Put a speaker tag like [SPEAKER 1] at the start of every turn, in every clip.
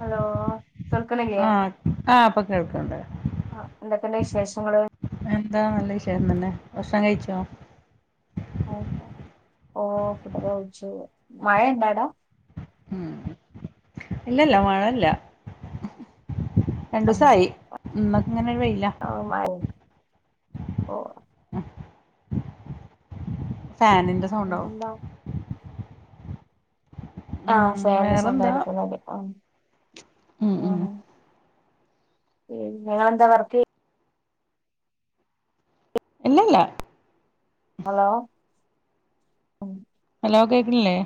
[SPEAKER 1] Hello കേൾക്ക്ണ്ല്ലേ
[SPEAKER 2] ആഹ് ആഹ് ഇപ്പൊ കേൾക്കണ്ട്
[SPEAKER 1] എന്തൊക്കെയ്ണ്ട് വിശേഷങ്ങള്
[SPEAKER 2] എന്താ നല്ല വിശേഷം തന്നെ ഭക്ഷണം കഴിച്ചോ
[SPEAKER 1] ഓഹ് ഫുഡ്‌ ഒക്കെ കഴിച്ചു മഴണ്ടാട
[SPEAKER 2] ഉം ഇല്ലല്ല മഴല്ലാ രണ്ടൂസായി ഇന്നക്ക് ഇങ്ങനെ വെയില
[SPEAKER 1] ഓഹ് മൈ ഓഹ്
[SPEAKER 2] ഉം ഫാനിന്റെ സൗണ്ട് ആവും
[SPEAKER 1] പിന്നെന്താ ആഹ്
[SPEAKER 2] ഉം
[SPEAKER 1] ഫേന്റെ
[SPEAKER 2] വേറെന്താ
[SPEAKER 1] സൗണ്ടായിരിക്കുന്നു അല്ലെ ആഹ്
[SPEAKER 2] ഉം ഉം
[SPEAKER 1] ആഹ് ഞങ്ങൾന്താ വർക്ക് ചെയ്യ
[SPEAKER 2] ഇല്ലല്ല
[SPEAKER 1] ഹലോ ഉം.
[SPEAKER 2] ഹലോ കേൾക്ക്ണില്ലേ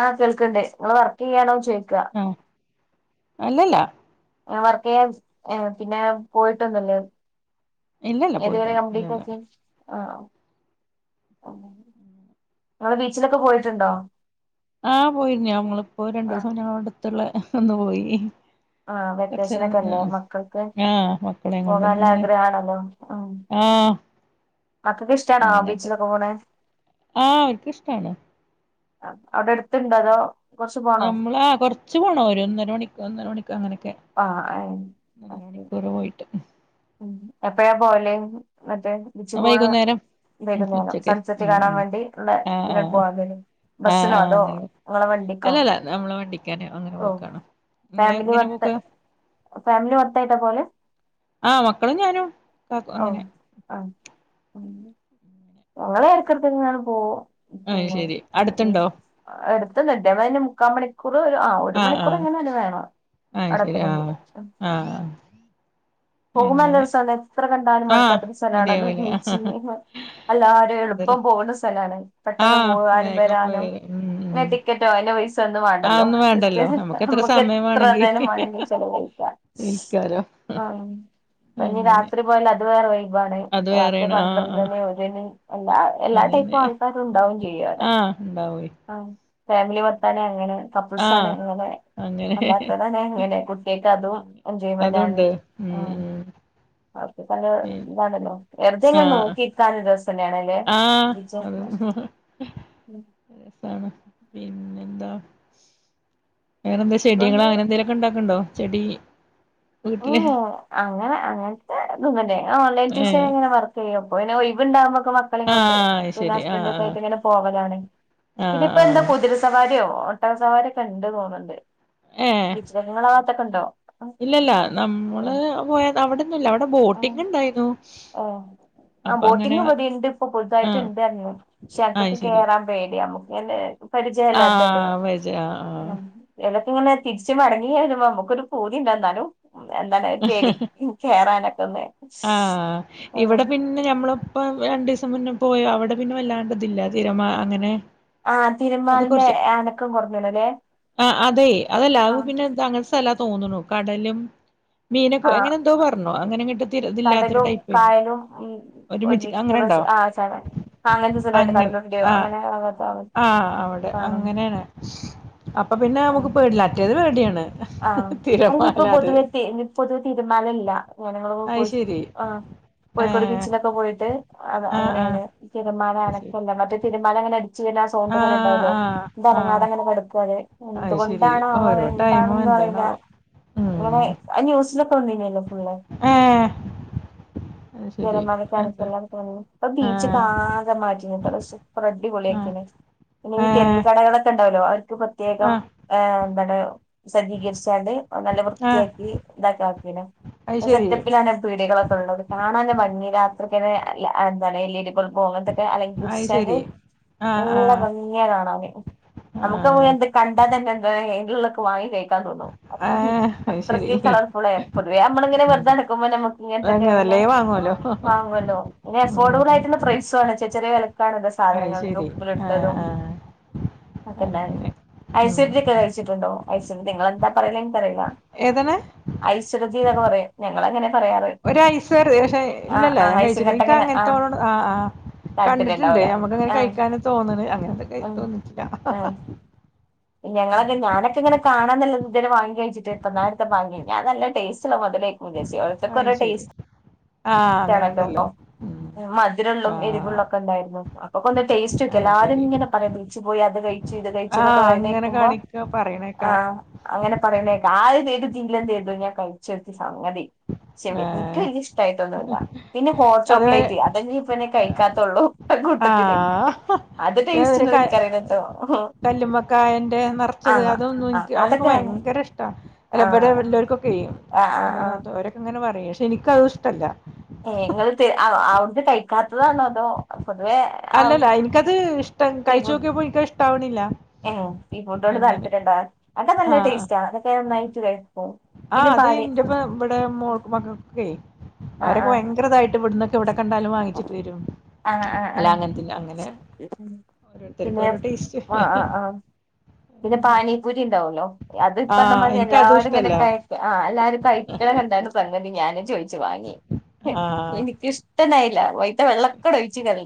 [SPEAKER 1] ആഹ് കേൾക്കണ്ടേ നിങ്ങൾ വർക്ക് ചെയ്യാനോ ചോ
[SPEAKER 2] ആഹ് അല്ലല്ല
[SPEAKER 1] വർക്ക് ചെയ്യാൻ ഏഹ് പിന്നെ പോയിട്ടൊന്നുല്ലേ
[SPEAKER 2] ഇല്ലല്ല
[SPEAKER 1] തുവരെ
[SPEAKER 2] പോയിട്ടൊന്നും ഇല്ലല്ല
[SPEAKER 1] കപ്ലീറ്റാക്കി ആഹ് നിങ്ങൾ ബീച്ചിലൊക്കെ പോയിട്ടുണ്ടോ
[SPEAKER 2] ആഹ് പോയിരുന്നു നമ്മളിപ്പോ രണ്ടു
[SPEAKER 1] ആ
[SPEAKER 2] ദിവസം ഞങ്ങള അടുത്തുള്ള ഒന്ന് പോയി
[SPEAKER 1] ആഹ്
[SPEAKER 2] കൊറച്ചേരം നിന്ന്
[SPEAKER 1] വെക്കേഷനൊക്കെല്ലേ മക്കൾക്ക്
[SPEAKER 2] ആഹ് മക്കളെയും
[SPEAKER 1] പോകാനുള്ള
[SPEAKER 2] കൊണ്ടൊന്നിങ്ങനെ
[SPEAKER 1] ആഗ്രഹ ആണല്ലോ ഉം
[SPEAKER 2] ആഹ്
[SPEAKER 1] മക്കൊക്കെ ഇഷ്ടാണോ ആഹ്
[SPEAKER 2] പിന്നെങ്ങനെ
[SPEAKER 1] ബീച്ചിലൊക്കെ പോണ
[SPEAKER 2] ആഹ് അവർക്ക് ഇഷ്ടാണ്
[SPEAKER 1] ആഹ് അതെ
[SPEAKER 2] നമ്മളാ കൊറച്ചു പോണം ഒരു ഒന്നര മണിക്ക് ഒന്നര മണിക്കോ അങ്ങനെയൊക്കെ
[SPEAKER 1] ആഹ് ഏഹ് ഓക്കെ
[SPEAKER 2] [unintelligible] പോയിട്ട്
[SPEAKER 1] ഉം എപ്പഴാ പോവലേ മറ്റേ ബീച്ച് പോണ
[SPEAKER 2] വൈകുന്നേരം ഉം
[SPEAKER 1] വൈകുന്നേരം
[SPEAKER 2] ഉച്ചക്ക്
[SPEAKER 1] സൺസെറ്റ്
[SPEAKER 2] ഉം
[SPEAKER 1] കാണാൻ
[SPEAKER 2] ഉം
[SPEAKER 1] വേണ്ടി ഉള്ള
[SPEAKER 2] ആഹ്
[SPEAKER 1] ഇതിനാട്ട്
[SPEAKER 2] ആഹ്
[SPEAKER 1] പോവാൻ വരും.
[SPEAKER 2] ആഹ്
[SPEAKER 1] ബസ്സിനോ
[SPEAKER 2] ആഹ്
[SPEAKER 1] അതോ
[SPEAKER 2] അങ്ങനെ
[SPEAKER 1] നിങ്ങളെ വണ്ടിക്കോ
[SPEAKER 2] അല്ലല്ല നമ്മള് വണ്ടിക്കാന അങ്ങനെ
[SPEAKER 1] ഓ
[SPEAKER 2] പോക്കണോ നിങ്ങളെ
[SPEAKER 1] ഫാമിലി
[SPEAKER 2] ഇങ്ങനെ
[SPEAKER 1] മൊത്ത
[SPEAKER 2] പോക്ക്
[SPEAKER 1] ഫാമിലി മൊത്തായിട്ടാ പോവല്
[SPEAKER 2] ആഹ് മക്കളും ഞാനും കാക്കു
[SPEAKER 1] ഓ
[SPEAKER 2] അങ്ങനെ
[SPEAKER 1] ആഹ് അവ [unintelligible] പോവും
[SPEAKER 2] ആഹ് ശരി അടുത്ത്ണ്ടോ
[SPEAKER 1] എടുത്തുന്നുണ്ട്തിന് മുക്കാ മണി കുറേ ഒരു ആഹ് ഒരു മണിക്കൂർ എങ്ങനെയാലും വേണം
[SPEAKER 2] അത് ശരി
[SPEAKER 1] അഒടെണെങ്കില്.
[SPEAKER 2] ആഹ് ആഹ്
[SPEAKER 1] പോകുന്ന
[SPEAKER 2] അങ്ങനെ
[SPEAKER 1] നല്ലരു സ്ഥലം എത്ര കണ്ടാലും
[SPEAKER 2] ആഹ്
[SPEAKER 1] മടക്കാത്തൊരു സ്ഥലാണല്ലോ
[SPEAKER 2] മതിയാവൂല
[SPEAKER 1] ബീച്ചി [unintelligible] എല്ലാരും
[SPEAKER 2] അതൊരു
[SPEAKER 1] എളുപ്പം പോക്ണ സ്ഥലാണ്. പെട്ടെന്ന്
[SPEAKER 2] ആഹ്
[SPEAKER 1] പോവാനും
[SPEAKER 2] വേഗം പോയി വരും ഉം
[SPEAKER 1] വരാനുംങ്ങനെ
[SPEAKER 2] ഉം
[SPEAKER 1] ടിക്കറ്റോ അതിന്റെ പൈസ ഒന്നും വാണ്ടല്ലോ
[SPEAKER 2] അതൊന്നും
[SPEAKER 1] ജസ്റ്റ്
[SPEAKER 2] വേണ്ടല്ലോ നമുക്ക്
[SPEAKER 1] [unintelligible] നമ്മക്ക്
[SPEAKER 2] സമയം
[SPEAKER 1] എത്ര
[SPEAKER 2] വേണെങ്കി
[SPEAKER 1] തനുംമാണെങ്കിലും ചെലവഴിക്ക
[SPEAKER 2] ഇരിക്കാലോ
[SPEAKER 1] ആഹ് പ്പ ഇഞ്ഞി
[SPEAKER 2] അങ്ങനെ
[SPEAKER 1] രാത്രി പോയല്ല അത് വേറെ വൈബാണ്
[SPEAKER 2] അത്
[SPEAKER 1] രാത്രി
[SPEAKER 2] വേറെയാണ് ആഹ് ആഹ്
[SPEAKER 1] പന്ത്രണ്ട്മണി ഒരണി അല്ല എല്ലാ ടൈപ്പും
[SPEAKER 2] അതന്നെ
[SPEAKER 1] ആൾക്കാരും ഉണ്ടാവും ചെയ്യും അഒടെ
[SPEAKER 2] ആഹ് ഉണ്ടാവേ
[SPEAKER 1] ആഹ്. ഫാമിലി മത്താണ് അങ്ങനെ കപ്പിൾസ ആണ്
[SPEAKER 2] ആഹ്
[SPEAKER 1] അങ്ങനെ
[SPEAKER 2] അങ്ങനെ
[SPEAKER 1] അല്ലാത്തതന്നെ എങ്ങനെ കുട്ട്യക്ക് അതും
[SPEAKER 2] അങ്ങ്
[SPEAKER 1] എൻജോയ്മെന്റ് ആണ്
[SPEAKER 2] അതുണ്ട് ഉം
[SPEAKER 1] ആഹ്.
[SPEAKER 2] ഉം
[SPEAKER 1] ഓക്കെ പല
[SPEAKER 2] പി
[SPEAKER 1] ഇതാണല്ലോ വെറുതെങ്ങനെ
[SPEAKER 2] ആഹ്
[SPEAKER 1] നോക്കിത്താന ഒരു രസന്നെണ്.
[SPEAKER 2] ആഹ് അതെ രസാണ് പിന്നെ എന്താ വേറെന്താ ചെടികളോ അങ്ങനെ എന്തെലും ഒ ക്കെ ണ്ടാക്കുണ്ടോ ചെടി? വീട്ടില്
[SPEAKER 1] ഉം ഉം അങ്ങനെ അങ്ങൻത്തെ ഇതൊന്നുംല്ലേ ഞാൻ ഓൺലൈൻ
[SPEAKER 2] ഏഹ്
[SPEAKER 1] ട്യൂഷൻങ്ങനെ വർ ചെയ്യും പ്പൊ പിന്നെ ഒഴിവ്ണ്ടാവുമ്പക്കെ മ ക്കളിം കൊണ്ട്
[SPEAKER 2] ആഹ് അത്
[SPEAKER 1] പിന്നെ
[SPEAKER 2] ശരി
[SPEAKER 1] ഹസ്ബൻഡ്
[SPEAKER 2] ആഹ്
[SPEAKER 1] ഒക്കെ ആയിട്ട്
[SPEAKER 2] ആഹ്
[SPEAKER 1] ഇങ്ങനെ പോവലാണ് ഇതിപ്പ
[SPEAKER 2] ആഹ്
[SPEAKER 1] എന്താ
[SPEAKER 2] ആഹ്
[SPEAKER 1] [unintelligible] സവാരിയോ ഒട്ടക സവാരിക്കെ ണ്ട് തോന്ന്ണ്ട്.
[SPEAKER 2] ഏഹ്
[SPEAKER 1] വിജ്രങ്ങളാവാത്തക്കെ ണ്ടോ?
[SPEAKER 2] ഇല്ലല്ല നമ്മള് പോയ അവടെന്നുംല്ല അവടെ ബോട്ടിങ് ഇണ്ടായിരുന്നു.
[SPEAKER 1] ആഹ് ആഹ് ബോട്ടിംഗ് ബടിം ണ്ട് ഇപ്പം പുതുതായിട്ട്
[SPEAKER 2] ആഹ്
[SPEAKER 1] ണ്ട് ർഞ്ഞു ക്ഷെ
[SPEAKER 2] അയ്
[SPEAKER 1] ക്കൊക്കെ
[SPEAKER 2] ശരി
[SPEAKER 1] കേറാൻ പേടിയാ നമുക്ക് ന്നെ പരിചയല്ലാത്തല്ലേ
[SPEAKER 2] ആഹ് വെജ് ആഹ് ആഹ്
[SPEAKER 1] [unintelligible] എലക്ക് ഇങ്ങനെ തിരിച്ച് മടങ്ങി അഹ്ടുമ്പം നമ്മക്കൊരു പൂതി ഇണ്ട് ന്നാലും എന്താണ് ഒരു പേടി ഉം കേറാനൊക്കെ ഒന്ന്
[SPEAKER 2] ആഹ്
[SPEAKER 1] ആഹ്
[SPEAKER 2] ഇവടെ പി പിന്നെ നമ്മള്പ്പോ രണ്ടിസം മുന്നേ പോയ അവടെ പിന്നെ വല്ലാണ്ടതില്ല തിരമാ അങ്ങനെ
[SPEAKER 1] ആഹ്
[SPEAKER 2] അത്
[SPEAKER 1] തിരമാലന്റെ
[SPEAKER 2] കൊറച്ച്
[SPEAKER 1] അനക്കം കുറഞ്ഞ്ണ് ല്ലേ?
[SPEAKER 2] ആഹ് അതെ അതല്ല അഹ് പിന്നെ ത അങ്ങൻത്തല്ലാ തോന്നുണു കടലും മീനൊക്കെ
[SPEAKER 1] ആഹ്
[SPEAKER 2] എങ്ങനെ പർഞ്ഞു അങ്ങനെങ്ങട്ട് ഇതില്ലാത്തൊരു
[SPEAKER 1] കടലും
[SPEAKER 2] ടൈപ്പെന്നു
[SPEAKER 1] കായലും ഉം
[SPEAKER 2] ഒരുമിച്ച് അങ്ങനെ
[SPEAKER 1] ഒരുമിച്ചിട്ടുള്ള
[SPEAKER 2] ഇണ്ടാവ
[SPEAKER 1] ആഹ് ചാ അങ്ങനത്തെ സ്ഥലണ്ട്
[SPEAKER 2] അങ്ങൻ
[SPEAKER 1] കടലുണ്ടിയോ
[SPEAKER 2] ആഹ്
[SPEAKER 1] അങ്ങനെ ആകാത്ത
[SPEAKER 2] ആഹ് അവടെ
[SPEAKER 1] കാണും
[SPEAKER 2] അങ്ങനെയാണ് അപ്പൊ പിന്നെ
[SPEAKER 1] ആഹ്
[SPEAKER 2] നമുക്ക് പേടില്ല മറ്റേത് പേടിയാണ്.
[SPEAKER 1] ആഹ് അല്ല
[SPEAKER 2] തിരമാല
[SPEAKER 1] ഇപ്പൊ
[SPEAKER 2] അത്
[SPEAKER 1] പൊതുവെ തേഞ്ഞ് പൊതു തീരുമാനം ഇല്ല ജനങ്ങളോ
[SPEAKER 2] അയ്
[SPEAKER 1] പോച്ച്
[SPEAKER 2] ശരി
[SPEAKER 1] ആഹ് കോഴിക്കോട്
[SPEAKER 2] ഏഹ്
[SPEAKER 1] ബീച്ചിലൊക്കെ പോയിട്ട് അത്
[SPEAKER 2] ആഹ് ആഹ്
[SPEAKER 1] അങ്ങനെയാണ് ഈ തിരമാല
[SPEAKER 2] അയ് ശരി
[SPEAKER 1] അനക്കെല്ലാം മറ്റേ തിരമാല അങ്ങനെ അടിച്ച് വര്ണ ആഹ് സൗണ്ട്
[SPEAKER 2] ആഹ്
[SPEAKER 1] ണ്ടാവല്ലോ ന്ത അനങ്ങാതെ കെടക്കാല്ലേ
[SPEAKER 2] അഹ് ശെരി ഓരോ ടൈമും എന്താണവോ
[SPEAKER 1] ങ്ങളെ അത് ന്യൂസിലൊക്കേ വന്നിനില്ല്യോ ഫുള്ള്
[SPEAKER 2] ഏഹ് അത് ശെരി
[SPEAKER 1] തിരമാല
[SPEAKER 2] എന്താ
[SPEAKER 1] കാണിച്ചര്ലാന്ന് പർഞ്ഞി ഇപ്പ ബീച്ചക്കെ
[SPEAKER 2] ആഹ്
[SPEAKER 1] ആകെ മാറ്റിണ്പ്പടെ സു
[SPEAKER 2] ആഹ്
[SPEAKER 1] അടിപൊളിയാക്കിണ് പിന്നെ ഈ തെരുവ്
[SPEAKER 2] ഏഹ്
[SPEAKER 1] കടകളൊക്കെ ഇണ്ടാവല്ലോ അവർക്ക് പ്രത്യേകം
[SPEAKER 2] ആഹ്
[SPEAKER 1] ഏഹ് ഇവടെ സജ്ജീകരിച്ചാണ്ട് നല്ല
[SPEAKER 2] ആഹ്
[SPEAKER 1] വൃത്തിയാക്കി ഇതാക്കി ആക്കീണ്.
[SPEAKER 2] അത് ശെരി
[SPEAKER 1] സെറ്റപ്പിലാണ് പീടികളൊക്കെ ഇള്ളത് കാണാനാ ഭംഗി രാത്രിയൊക്കെ ല്ല അഹന്താണ് എൽ ഇഡി ബൾബ് അങ്ങൻത്തെ
[SPEAKER 2] അത്
[SPEAKER 1] അലങ്കരിച്ചാണ്ട്
[SPEAKER 2] ശെരി ആഹ്
[SPEAKER 1] നല്ല
[SPEAKER 2] ആഹ്
[SPEAKER 1] ഭംഗി ഗിംയാ കാണാൻ നമുക്ക്
[SPEAKER 2] ആഹ്
[SPEAKER 1] എന്ത കണ്ടാ തന്നെ എന്തെ അയില് ളേള വാങ്ങി കഴി ക്കാൻ തോന്നും അത്രക്ക്
[SPEAKER 2] ഏഹ് അത് ശെരി
[SPEAKER 1] അത്രയ്ക്ക് കളർ ഫുള്ളാ പൊതുവെ നമ്മള് ഇങ്ങനെ വെറുതെ
[SPEAKER 2] ഉം
[SPEAKER 1] നടക്കുമ്പോ നമ ഇങ്ങൻത്തക്കെ പിന്നെ
[SPEAKER 2] അതല്ലേ വാങ്ങുവല്ലോ
[SPEAKER 1] വാങ്ങുല്ലോ പിന്നെ അഫോർഡബിൾ
[SPEAKER 2] ഉം
[SPEAKER 1] ആയിട്ടുള്ള പ്രൈസാണ് ചെ ചെറിയ വെല [unintelligible]
[SPEAKER 2] അത്
[SPEAKER 1] സാധനങ്ങളും
[SPEAKER 2] ശെരി ആഹ്
[SPEAKER 1] ഉപ്പിലിട്ടതും
[SPEAKER 2] ആഹ് അങ്ങനെ
[SPEAKER 1] ഐസ്
[SPEAKER 2] ഉം
[SPEAKER 1] ചോരണ്ടി ഒക്കെ കഴിച്ചിട്ടുണ്ടോ ഐസ് ചോരണ്ടി നിങ്ങൾെന്താ പറയാന്ന് എനിക്കറിയൂല [unintelligible]
[SPEAKER 2] ഏതാണ്
[SPEAKER 1] ഐസ് ഒരതി ഞങ്ങൾ അങ്ങനെ പറയാറ്
[SPEAKER 2] ഒരൈ സർ പക്ഷെ
[SPEAKER 1] ആ
[SPEAKER 2] ഇല്ല
[SPEAKER 1] ആ
[SPEAKER 2] ഞാൻ
[SPEAKER 1] ഐസും
[SPEAKER 2] കഴിച്ചിട്ടില്ല എനിക്ക്‌
[SPEAKER 1] കട്ടങ്ങനെ ആ
[SPEAKER 2] അങ്ങനത്തേനോട് ആഹ് ആഹ്
[SPEAKER 1] താല്പര്യം
[SPEAKER 2] കണ്ടിട്ടുണ്ട്
[SPEAKER 1] ഉണ്ടാവൂല
[SPEAKER 2] ഞമ്മക്ക് അങ്ങനെ
[SPEAKER 1] ആ
[SPEAKER 2] കഴിക്കാന തോന്നണ് അങ്ങനെ
[SPEAKER 1] ഉം
[SPEAKER 2] തോന്നിയിട്ടില്ല
[SPEAKER 1] ഉം ഞങ്ങളൊക്കെ ഞാനൊക്കെ ഇങ്ങെ കാണാന്നുള്ളത് അല്ലാതെ ഇതുവരെ വാങ്ങി കഴിച്ചിട്ടില്ല ഞാൻ നല്ല ടെസ്റ്റുള്ള ഓരോരുത്തർക്ക്
[SPEAKER 2] അയ്
[SPEAKER 1] ഒരോ
[SPEAKER 2] ശരി
[SPEAKER 1] ടേസ്റ്റ്
[SPEAKER 2] ആഹ് അങ്ങനെുണ്ടല്ലോ ഉം
[SPEAKER 1] മധുരുള്ളതും
[SPEAKER 2] ആഹ്
[SPEAKER 1] എരിവുള്ളള്ളും ഒക്കെണ്ടായിരുന്നു അപ്പൊക്കേ ടേസ്റ്റ് നോക്കി
[SPEAKER 2] അയ്
[SPEAKER 1] ഒക്കെല്ലാരും
[SPEAKER 2] ശരി
[SPEAKER 1] ഇങ്ങനെ പറയഇണ്ടാർന്ന് ബീച്ചിൽ പോയി അത് കഴിച്ചു ഇത് കഴിച്ചു എന്നൊക്കെ
[SPEAKER 2] ആഹ് അങ്ങനെ
[SPEAKER 1] പറയണകേക്കുമ്പോ
[SPEAKER 2] കാണിക്ക പറയണേക്കാ
[SPEAKER 1] ആഹ് അങ്ങനെ പറയണേ കേൾക്ക ആദ്യതന്നെ ഞാൻ കഴിച്ചാ സംഗതി ഫുഡ്‌
[SPEAKER 2] ഏഹ്
[SPEAKER 1] വലിയ ഇഷ്ടമായിട്ടൊന്നുമല്ല പിന്നെ ഹോട്ട്
[SPEAKER 2] അത്
[SPEAKER 1] ചോക്ലേറ്റ് അതെന്നെ ഇപ്പൊ കഴിക്കാത്തുള്ളൂ കൂട്ടത്തില്
[SPEAKER 2] ആഹ്
[SPEAKER 1] അത് ടേസ്റ്റ്യൊന്നും എനിക്ക് അറിയൂലാട്ടോ
[SPEAKER 2] കല്ലുമ്മക്കായൻന്റെ നേറച്ചത് ച്ചത് അതൊന്നും
[SPEAKER 1] ആഹ്
[SPEAKER 2] എനിക്ക് അതിനൊക്കെ
[SPEAKER 1] അതൊക്കെ
[SPEAKER 2] ഭയങ്കര ഇഷ്ട അല്ല
[SPEAKER 1] ആഹ്
[SPEAKER 2] ഇവിടെവല്ലൂർക്കു വല്ലോ
[SPEAKER 1] ആഹ് ആഹ് ആഹ്
[SPEAKER 2] ർക്കൊക്കെ അവരോക്കെ ഇങ്ങനെ പറയും പക്ഷെ എനിക്ക അതും ഇഷ്ടല്ല
[SPEAKER 1] ഏ നിങ്ങൾ അവര് കഴിക്കാത്തതാണോ അതോ പൊതുവേ ആ
[SPEAKER 2] അല്ലല്ല എനിക്കത് ഇഷ്ടം
[SPEAKER 1] സീ
[SPEAKER 2] കഴിച്ചു
[SPEAKER 1] ഫുഡ്
[SPEAKER 2] നോക്കിയപ്പോ എനിക്ക്‌ ഇഷ്ടാവണില്ല
[SPEAKER 1] സീ ഫുഡോട്
[SPEAKER 2] അങ്ങനെ
[SPEAKER 1] താല്പര്യംണ്ടാ അത് നല്ല
[SPEAKER 2] ആഹ്
[SPEAKER 1] ടേസ്റ്റ് ആണ് അതൊക്കെ നന്നായിട്ട്
[SPEAKER 2] ആഹ്
[SPEAKER 1] പിന്നെ
[SPEAKER 2] അത്
[SPEAKER 1] പാല്
[SPEAKER 2] ഇന്റെപ്പ ഇവിടെ മോക്ക് മക്കൾക്കൊക്കെ
[SPEAKER 1] ആഹ്
[SPEAKER 2] അവരൊക്കെ
[SPEAKER 1] ആഹ്
[SPEAKER 2] ഭയങ്കരതായിട്ട് ഇവിടന്ന് എവിടെ കണ്ടാലും വാങ്ങിച്ചിട്ട് വരും
[SPEAKER 1] ആഹ് ആഹ്
[SPEAKER 2] അല്ല
[SPEAKER 1] ആഹ്
[SPEAKER 2] അങ്ങനത്തിന്നാ അങ്ങനെ
[SPEAKER 1] പിന്നെ
[SPEAKER 2] ഓരോരുത്തർക്കും ഓരോ ടേസ്റ്റ്
[SPEAKER 1] ആഹ് ആഹ് ആഹ് പിന്നെ പാനീപൂരി ഉണ്ടാവല്ലോ അത്
[SPEAKER 2] ആഹ്
[SPEAKER 1] ഇപ്പറഞ്ഞമാതിരി
[SPEAKER 2] എനിക്കതും ഇഷ്ടല്ല
[SPEAKER 1] എല്ലാരുംങ്ങനൊക്കെയായിട്ടു ആഹ് എല്ലാരും കഴിക്കണം കണ്ട്സംഗതി ഞാനും ചോയിച്ചു വാങ്ങി
[SPEAKER 2] ആഹ്
[SPEAKER 1] എനിക്കിഷ് ഇഷ്ട്ടം ഉണ്ടായില്ല അതിൽത്തെ വെള്ളം ക്കൊടൊയ്ച്ച്കറി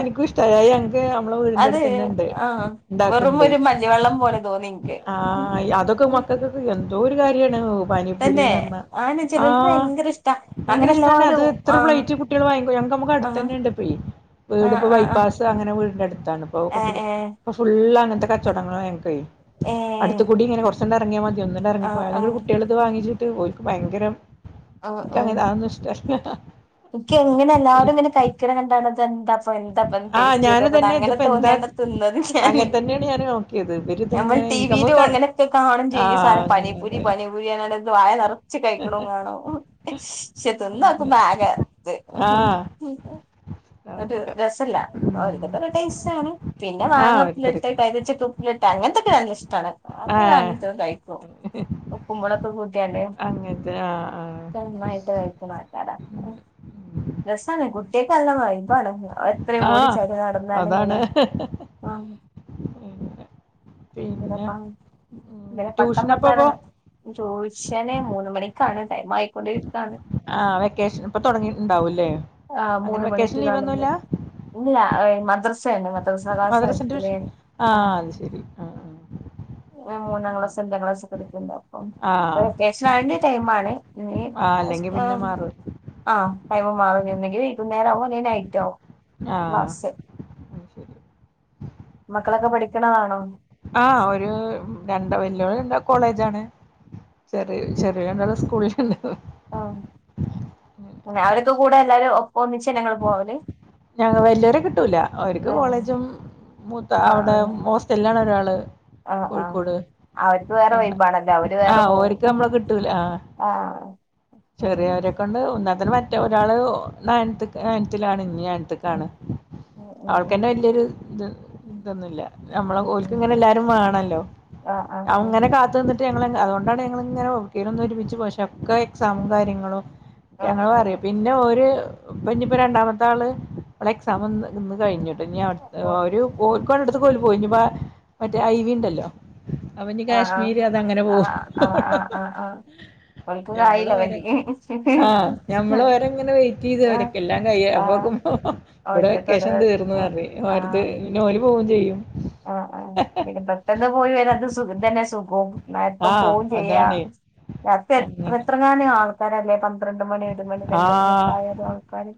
[SPEAKER 2] ഇനികുഷ്ട്ടായി ക്കെ നമ്മള വീടിന്റെ
[SPEAKER 1] അത്
[SPEAKER 2] അടുത്ത് തന്നെ ഇണ്ട്
[SPEAKER 1] ആഹ് വെറും
[SPEAKER 2] ഉണ്ടാക്ക്‌ണ്ട്
[SPEAKER 1] ഒരു മഞ്ഞിവെള്ളം പോലെ തോന്നി ഇൻക്ക്
[SPEAKER 2] ആഹ്അതൊക്കെ മക്കൾക്കൊക്കെ എന്തോരു കാര്യാണോ പാനിപൂരി
[SPEAKER 1] തന്നെ
[SPEAKER 2] പറഞ്ഞ
[SPEAKER 1] ആണ് ചെലോൽക്ക്
[SPEAKER 2] ആഹ്
[SPEAKER 1] ഭയങ്കര ഇഷ്ടാ അങ്ങനെ
[SPEAKER 2] ഭയങ്കര ഇഷ്ടാണ് അത്
[SPEAKER 1] എല്ലാരും
[SPEAKER 2] എത്ര
[SPEAKER 1] ആഹ്
[SPEAKER 2] പ്ലേറ്റ് കുട്ടികൾ വാങ്ങിപോയി,, നമുക്ക്
[SPEAKER 1] ആഹ്
[SPEAKER 2] അടുത്തന്നെ ഇണ്ട് ഇപേയ്
[SPEAKER 1] ആഹ്
[SPEAKER 2] വീട്പ്പൊ
[SPEAKER 1] ആഹ് ആഹ്
[SPEAKER 2] ബൈപ്പാസ് അങ്ങനെ വീടിന്റെ അടുത്താണ് ഇപ്പ കൊയപ്പമില്ല
[SPEAKER 1] ഏഹ്
[SPEAKER 2] ഫുള്ളങ്ങനത്തെ കച്ചവടങ്ങളാ ഞങ്ങൾക്കെ
[SPEAKER 1] ഏഹ് ഏഹ്
[SPEAKER 2] അടുത്തുകൂടി ഇങ്ങനെ കോറെചാണ്ട് ഇറങ്ങിയാ മതി ഒന്നങ്ങണ്ട്
[SPEAKER 1] ആഹ്
[SPEAKER 2] എറങ്ങിപ്പോയാൽ ന്നിട്ട് കുട്ടിൾത്
[SPEAKER 1] ആഹ്
[SPEAKER 2] വാങ്ങിച്ചിട്ട് പോരും ഓര്ക് ഭയങ്കരം എനിക്ക് അങ്ങേൻ അത് ഒന്നും ഇഷ്,, [inaudible]
[SPEAKER 1] ഇൻക്കിങ്ങനെ എല്ലാവരും ഇങ്ങനെ കഴിക്കാനാകാണ്ടാണ് അത് എന്താ അപ്പൊ എന്താപ്പൊ
[SPEAKER 2] ആഹ്
[SPEAKER 1] ടേസ്റ്റ് ചെയ്ത്
[SPEAKER 2] ഞാന്
[SPEAKER 1] നൊക്കണം
[SPEAKER 2] തന്നെ
[SPEAKER 1] അങ്ങനെ
[SPEAKER 2] ഇതിപ്പോ എന്താ
[SPEAKER 1] തോന്നിയാണ്ട് തിന്നത് ഞാൻ
[SPEAKER 2] അങ്ങനെ തന്നെയാണ് ഞാൻ നോക്കിയത്
[SPEAKER 1] ഞമ്മൾ
[SPEAKER 2] ഇവരിതിങ്ങനെ എനിക്ക്
[SPEAKER 1] ടിവിയിലു
[SPEAKER 2] നമുക്ക് ക
[SPEAKER 1] അങ്ങനെയൊക്കെ കാണും ചെയ്യും
[SPEAKER 2] ആഹ്
[SPEAKER 1] സാധനം പാനിപൂരി
[SPEAKER 2] നല്ലത്
[SPEAKER 1] പാനി പൂരി പറഞ്ഞാണ്ട് വാഴ നെറച്ച് കഴിക്ക്‌ണോം കാണ ഷെ
[SPEAKER 2] അങ്ങനെ
[SPEAKER 1] തിന്നോക്ക്‌മ്പോ ആകെ ആഹ
[SPEAKER 2] ആഹ്
[SPEAKER 1] [unintelligible] ഒരു രസല്ല ഓൽക്കോത്ത
[SPEAKER 2] ഉം
[SPEAKER 1] ടൈസ്റ്റ് ആണ് പിന്നെ
[SPEAKER 2] ആഹ്
[SPEAKER 1] മാങ്ങ
[SPEAKER 2] ഓരോരുത്തര്
[SPEAKER 1] ഉപ്പ്ല്ട്ടെ കയ്‌തചക്ക ഉപ്പിലിട്ടെ അങ്ങനത്തെക്കെ നല്ല ഇഷ്ടാണ് അത്
[SPEAKER 2] ആഹ്
[SPEAKER 1] വാങ്ങി കഴിക്കുവാ ഉപ്പും മോളൊകും കൂട്ടിയാണ്ട്
[SPEAKER 2] അങ്ങനത്തെ ആഹ്
[SPEAKER 1] നാന്നായിട്ട് കഴിക്ക്‌ണ ആൾക്കാര ഓഹ് രസാണ് കുട്ടിയക്ക്‌ നല്ല ബൈബാണ് ആണ് എത്രയും
[SPEAKER 2] ആഹ് ആഹ്
[SPEAKER 1] ഓടിച്ചാടി നടന്നാല്
[SPEAKER 2] അതാണ്
[SPEAKER 1] ഇങ്ങനെ ആഹ്
[SPEAKER 2] അങ്ങനെ. പിന്നെ
[SPEAKER 1] പിന്നെപ്പാ
[SPEAKER 2] ഉം ട്യൂഷനപ്പപ്പോ
[SPEAKER 1] [unintelligible] ജോശ്യനെ മൂന്ന് മണിക്കാണ് ടൈം ആയിക്കൊണ്ടിരികാണ്
[SPEAKER 2] ആഹ് വെക്കേഷനിപ്പ തൊടങ്ങീട്ടുണ്ടാവല്ലേ
[SPEAKER 1] ആഹ് മൂന്ന് മണിക്ക്‌ കാണ്ന്നെ ഇല്ല മദ്രസണ്ട് സഹാ
[SPEAKER 2] മദ്രസ
[SPEAKER 1] സാഹത്തിലെ
[SPEAKER 2] ട്യൂഷൻ
[SPEAKER 1] ആഹ്
[SPEAKER 2] അത് ശരി ആഹ് ആഹ്
[SPEAKER 1] ആഹ് മൂന്നാം ക്ലാസ് അഞ്ചാം ക്ലാസ് ഒക്കെ എട്ക്ക്‌ണ്ടാവും
[SPEAKER 2] ആഹ്
[SPEAKER 1] വെക്കേഷനായ്ന്റെ ടൈമാണ് ഇനി
[SPEAKER 2] ആഹ് അല്ലെങ്കി പിന്നെ
[SPEAKER 1] [unintelligible]
[SPEAKER 2] മാറും
[SPEAKER 1] ആഹ് ടൈമ് മാറും നിഒന്നെങ്കില് വൈകുന്നേരം ആവു അല്ലെ നൈറ്റ് ആവും
[SPEAKER 2] ആഹ്
[SPEAKER 1] ക്ലാസ്
[SPEAKER 2] അത് ശരി
[SPEAKER 1] മക്കളക്കെ പഠിക്കണതാണോ
[SPEAKER 2] ആഹ് ഒരു രണ്ട വല്ലിയോള് രണ്ടാ കോളേജാണ് ചെറി ചെറിയ രണ്ടാളും സ്കൂളിലെന്നെ
[SPEAKER 1] ആഹ് തന്നെ അവരൊക്കെ കൂടെ എല്ലാരും ഒ ഒന്നിച്ചേന്നെങ്ങള് പോവല്
[SPEAKER 2] ഞങ്ങ വല്ല്യോരെ കിട്ടൂല്ല ഓരിക്ക്
[SPEAKER 1] ആ
[SPEAKER 2] കോളേജും മൂത്ത അവിടെ ഹോസ്റ്റൽലാണ് ഒരാള്
[SPEAKER 1] ആഹ് ആഹ്
[SPEAKER 2] കോഴിക്കോട്
[SPEAKER 1] അവർക്ക് വേറെ
[SPEAKER 2] രണ്ട
[SPEAKER 1] വൈബാണല്ലോ അവര് വേറെ
[SPEAKER 2] ആഹ്
[SPEAKER 1] പോവും
[SPEAKER 2] ഓര്ക്ക്
[SPEAKER 1] ഉം
[SPEAKER 2] നമ്മളെ
[SPEAKER 1] ആഹ്
[SPEAKER 2] ചെറിയവരെക്കൊണ്ട് ഒന്നാത്തത് മറ്റ ഒരാള് നയൻത്ത്ക്ക്‌ നയൻത്തിലാണ് ഇനിയ ത്ത്
[SPEAKER 1] ഉം
[SPEAKER 2] കാണ്
[SPEAKER 1] ഉം ഉം ഉം
[SPEAKER 2] അവൾക്കെന്നെ വല്ലിയോരു ഇത്
[SPEAKER 1] ഉം
[SPEAKER 2] ഇതൊന്നുല്ല നമ്മള
[SPEAKER 1] ഉം ഉം.
[SPEAKER 2] ഓൽക്ക്ങ്ങനെ എല്ലാരും വാണല്ലോ
[SPEAKER 1] ആ ആ ആ
[SPEAKER 2] അവുങ്ങനെ കാത്തുനി ന്നിട്ട് ഞങ്ങള്ങ്ങ് അതുകൊണ്ടാണ് ഞങ്ങള്ങ്ങനെ എവ്ട്ക്കേലൊന്ന് ഒരുമിച്ച് പക്ഷെ അവ്ക്ക് എക്സാമും കാര്യങ്ങളും
[SPEAKER 1] ആ
[SPEAKER 2] ഞങ്ങൾ
[SPEAKER 1] ആ
[SPEAKER 2] പറയും പിന്നെ ഓര് ഇപ്പം ഇനിപ്പം രണ്ടാമത്താള് ഓളെക്സാമ് ഒന്ന് ഇന്ന് കഴിഞ്ഞു ഇനി അട്ത്തെ ഒരു കോയ്ക്കോട് അടുത്തൊക്കെ ഓൽ പോയിനി ഇനിപ്പോ മറ്റേ ഐവിണ്ടല്ലോ അവന് കാശ്മീര് അതങ്ങനെ പോകും ഹഹ
[SPEAKER 1] ആഹ് ആഹ്
[SPEAKER 2] ഞമ്മളു ഓരെ ആഹ് ഞമ്മളു ഒരെങ്ങനെ വെയ്റ്റ് ചെയ്തു [unintelligible] എല്ലാം കയാ
[SPEAKER 1] ആഹ്
[SPEAKER 2] അപ്പോക്കുംഹഹ ഇവിടെ
[SPEAKER 1] ഓട്ടത്തത്
[SPEAKER 2] വെക്കേഷൻ തീർന്നു
[SPEAKER 1] ആഹ്
[SPEAKER 2] പറഞ്ഞ് ഓരട്ത്ത്
[SPEAKER 1] ആഹ്
[SPEAKER 2] പിന്ന ഓര് പോവും ചെയ്യും
[SPEAKER 1] ആഹ് ആഹ് പിന്നെ പെട്ടെന്ന് പോയി വരാന്ത് സുഖം തന്നെ സുഖം ന്നാ എപ്പം
[SPEAKER 2] ആഹ്
[SPEAKER 1] പോവും ചെയ്യാ
[SPEAKER 2] അതാണേ
[SPEAKER 1] രാത്രി എത്ര
[SPEAKER 2] അങ്ങനെ
[SPEAKER 1] എത്ര ആൾക്കാരല്ലെ പന്ത്രണ്ട് മണി ഒരു മണി രണ്ട് മണി
[SPEAKER 2] ആഹ്
[SPEAKER 1] പ്രായള്ളാൾക്കാര്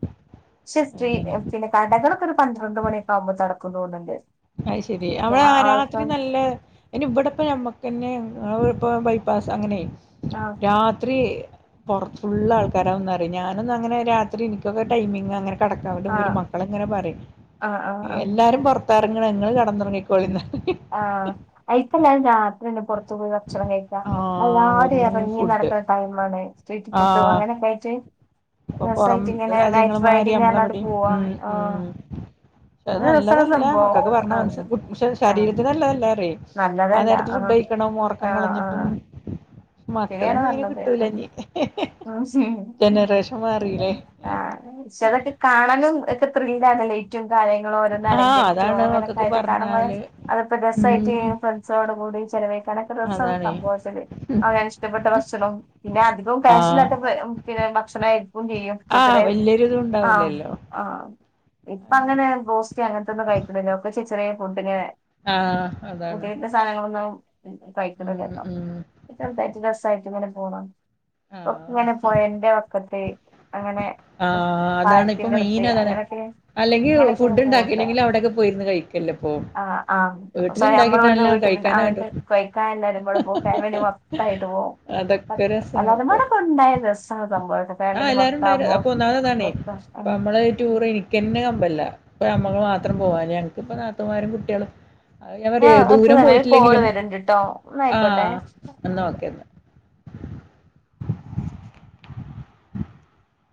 [SPEAKER 1] ക്ഷെ ത്രീ
[SPEAKER 2] അങ്ങനെ
[SPEAKER 1] പിന്നെ കടകളൊക്കൊരു പന്ത്രണ്ട് മണിയൊക്കാമ്പത്തടക്കും തോന്ന്ണ്ട്
[SPEAKER 2] അയിശെരി അവള രാത്രി
[SPEAKER 1] ആൾക്കാര്
[SPEAKER 2] നല്ല അയിന് ഇവിടെപ്പോ ഞമ്മക്കന്നെ [unintelligible] ബൈപ്പാസ് അങ്ങനെ
[SPEAKER 1] ആഹ്
[SPEAKER 2] രാത്രി പൊറത്ത് ഫുള്ള് ആൾക്കാരാന്നറയും ഞാനൊന്നങ്ങനെ രാത്രി എനിക്കൊക്കെ ടൈമിങ് അങ്ങനെ കടക്ക
[SPEAKER 1] ആഹ്
[SPEAKER 2] [unintelligible] മക്കളങ്ങനെ പറയും
[SPEAKER 1] ആഹ് ആഹ് ആഹ്
[SPEAKER 2] എല്ലാരും പുറത്ത് ത്തെറങ്ങണ്ങ്ങള് കെടന്നൊറങ്ങിക്കോളീന്നറയും
[SPEAKER 1] ആഹ് അയിക്ക ഞാൻ രാത്രീല് പൊറത്തു പോയി ഭക്ഷണം കഴിക്ക
[SPEAKER 2] ആ
[SPEAKER 1] അല്ലാരു
[SPEAKER 2] വെറും
[SPEAKER 1] എറങ്ങി
[SPEAKER 2] ഫുഡ്
[SPEAKER 1] നടക്കണ ടൈമാണ് സ്ട്രീറ്റ്
[SPEAKER 2] ആ
[SPEAKER 1] ഫുഡും അങ്ങനെയൊക്കായിട്ട്
[SPEAKER 2] ഇപ്പൊ പൊറം രാജ്യങ്ങള് മാരി
[SPEAKER 1] റൈഡിങ് പറഞ്ഞാണ്ട്
[SPEAKER 2] അമ്മളിവിടെയും
[SPEAKER 1] പോവാ
[SPEAKER 2] ഉം
[SPEAKER 1] ആഹ്
[SPEAKER 2] ഉം പക്ഷെത്
[SPEAKER 1] അത് രസാണ്
[SPEAKER 2] നല്ലതല്ല മക്കക്ക്
[SPEAKER 1] സംഭവം
[SPEAKER 2] പറഞ്ഞ മനസ്
[SPEAKER 1] ആഹ്
[SPEAKER 2] പക്ഷെ
[SPEAKER 1] ആഹ്
[SPEAKER 2] ശരീരത്തിന് നല്ലതല്ലറയേ ആ
[SPEAKER 1] നല്ലതല്ല
[SPEAKER 2] നേരത്തെ ഫുഡ്
[SPEAKER 1] ആഹ്
[SPEAKER 2] കഴിക്കണം ഒറക്കം
[SPEAKER 1] ആഹ്
[SPEAKER 2] കളഞ്ഞിട്ടും
[SPEAKER 1] ആഹ് ശരിയാണ്
[SPEAKER 2] മക്കളേന്നും അങ്ങനെ
[SPEAKER 1] പറഞ്ഞത് ഉം
[SPEAKER 2] കിട്ടൂലാനീ ഹെഹെഹ്
[SPEAKER 1] ഉം
[SPEAKER 2] ജനറേഷൻ മാറില്ലേ
[SPEAKER 1] ആഹ് ഷെതെക്കെ കാണാനും ഒക്കെ ത്രില്ഡ് ആണല്ലേ മറ്റും കാര്യങ്ങളും ഓരോന്ന്
[SPEAKER 2] ആ
[SPEAKER 1] അലങ്കരിച്ചും
[SPEAKER 2] അതാണ്
[SPEAKER 1] അങ്ങനെയൊക്കെ
[SPEAKER 2] മക്കൾക്ക്
[SPEAKER 1] ആയിട്ട് കാണുമ്പോ
[SPEAKER 2] പറഞ്ഞാല്
[SPEAKER 1] അതക്ക രസായിട്ട്
[SPEAKER 2] ഉം
[SPEAKER 1] സോടുകൂടി ചെലവേക്കാണ്ട് രസാണ്
[SPEAKER 2] അതാണേ
[SPEAKER 1] സംഭവം പക്ഷേ ല്യേ അവനാൻ ഇഷ്ടപ്പെട്ട ഭക്ഷണം പിന്നെ അധികം
[SPEAKER 2] ആ
[SPEAKER 1] ക്യാഷില്ലാത്ത [unintelligible] പിന്നെ [unintelligible] ക്ഷണായിര്ക്കും ചെയ്യും. ചെറിയ
[SPEAKER 2] ആഹ്,
[SPEAKER 1] ചെറിയ
[SPEAKER 2] വല്യൊരിതു
[SPEAKER 1] ആഹ്
[SPEAKER 2] ണ്ടാവൂലല്ലോ.
[SPEAKER 1] ആഹ്, ഇപ്പങ്ങനെ ബ്രോസ്റ്റ് അങ്ങൻത്തൊന്നും കഴിക്കുന്നില്ലോ ഒക്കെ ചെർ ചെറ്യേ ഫുഡിങ്ങനെ
[SPEAKER 2] ആഹ് അതാണ്.
[SPEAKER 1] വീട്ടിലെ സാധനങ്ങളൊന്നും
[SPEAKER 2] ഉം
[SPEAKER 1] കഴിക്കണില്ല്യെട്ടോ
[SPEAKER 2] ഉം
[SPEAKER 1] [unintelligible] രസായിട്ട് ഇങ്ങനെ പോണം
[SPEAKER 2] ആ
[SPEAKER 1] ഒക്കെങ്ങനെ പുഴന്റെ വക്കത്ത് അങ്ങനെ
[SPEAKER 2] ആഹ് അതാണ് ഇപ്പൊ മെയിൻ
[SPEAKER 1] പാലത്തിൻ്റടുത്ത്
[SPEAKER 2] അതാണ്
[SPEAKER 1] അങ്ങനൊക്കെ
[SPEAKER 2] അല്ലെങ്കി
[SPEAKER 1] അങ്ങനൊക്കെ അങ്ങ്
[SPEAKER 2] ഫുഡ്
[SPEAKER 1] പോവില്ല.
[SPEAKER 2] ഉണ്ടാക്കിയില്ലെങ്കിൽ അവിടെയൊക്കെ പോയിരുന്ന് കഴിക്കല്ലേ ഇപ്പൊ
[SPEAKER 1] ആഹ്, ആഹ് സൊ ഞമ്മള് വട്ന്ന്
[SPEAKER 2] വീട്ടിലുണ്ടാക്കിട്ടാണല്ലോ
[SPEAKER 1] വീട്ട്ന്ന് ആണ്ട്
[SPEAKER 2] കഴിക്കാനായിട്ടും
[SPEAKER 1] കഴിക്കാൻ എല്ലാരും കൂടെ പോവും ഫാമിലി മൊത്തായിട്ട് പോവും.
[SPEAKER 2] അതൊക്കെ രസാണ് ഇപ്പൊ
[SPEAKER 1] അല്ലാരുമ്പാടെ ക്കെണ്ടായാ രസാണ് സംഭവം. ഫാമിലി മൊത്താവുമ്പോ
[SPEAKER 2] പ്പൊ ഒന്നാമതതാണേ പ്പ അമ്മളൊരു ടൂറെനി ക്കന്ന് കമ്പല്ല പ്പ അമ്മള് മാത്രം പോകാന് ഞങ്ങക്കിപ്പ നാത്തൂമാരും കുട്ട്യളും ഞാൻ പറയാ
[SPEAKER 1] ഒറ്റ
[SPEAKER 2] ദൂരം
[SPEAKER 1] സമയം ഒരു കോള്
[SPEAKER 2] പോയിട്ടില്ലെങ്കിലും
[SPEAKER 1] വരുന്നുണ്ട് ട്ടോ എന്നായിക്കോട്ടെ
[SPEAKER 2] ആഹ്
[SPEAKER 1] ഉം.
[SPEAKER 2] എന്നാ ഓകെ